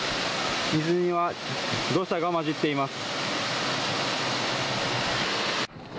水には土砂がまじっています。